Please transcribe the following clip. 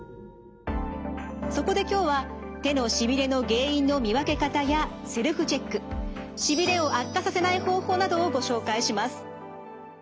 そこで今日は手のしびれの原因の見分け方やセルフチェックしびれを悪化させない方法などをご紹介します。